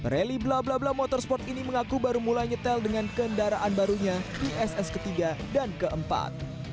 rally bla bla bla motorsport ini mengaku baru mulai nyetel dengan kendaraan barunya di ss ketiga dan keempat